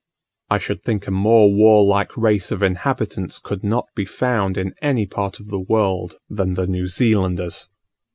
I should think a more warlike race of inhabitants could not be found in any part of the world than the New Zealanders.